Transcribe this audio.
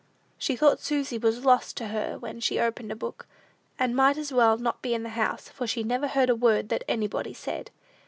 She thought Susy was lost to her when she opened a book, and might as well not be in the house, for she never heard a word that anybody said.